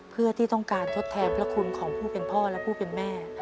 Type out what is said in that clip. เพื่อที่ต้องการทดแทนพระคุณของผู้เป็นพ่อและผู้เป็นแม่